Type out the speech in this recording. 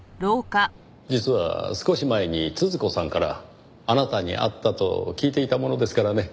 実は少し前に都々子さんからあなたに会ったと聞いていたものですからね。